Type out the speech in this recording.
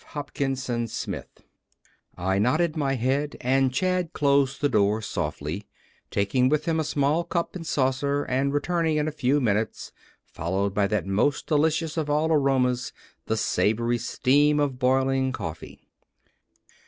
HOPKINSON SMITH I nodded my head, and Chad closed the door softly, taking with him a small cup and saucer, and returning in a few minutes followed by that most delicious of all aromas, the savory steam of boiling coffee.